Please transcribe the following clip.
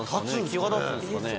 際立つんですかね。